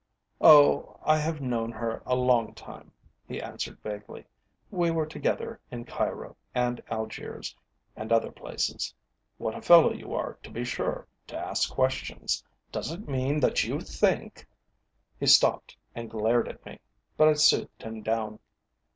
"Oh, I have known her a long time," he answered vaguely. "We were together in Cairo and Algiers, and other places. What a fellow you are, to be sure, to ask questions! Does it mean that you think " He stopped and glared at me, but I soothed him down.